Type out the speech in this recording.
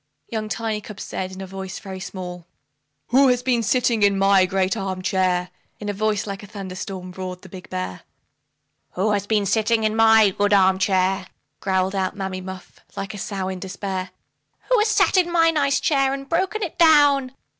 Young Tiny cub said, in a voice very small, "WHO HAS BEEN SITTING IN MY GREAT ARM CHAIR?" In voice like a thunder storm, roared the big bear. "WHO HAS BEEN SITTING IN MY GOOD ARM CHAIR?" Growled out Mammy Muff, like a sow in despair. "WHO HAS SAT IN MY NICE CHAIR, AND BROKEN IT DOWN?"